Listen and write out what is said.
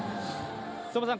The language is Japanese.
相馬さん